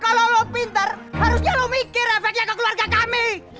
kalau lo pintar harusnya lo mikir efeknya ke keluarga kami